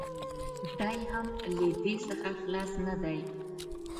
دی هم له دې څخه خلاص نه دی.